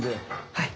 はい。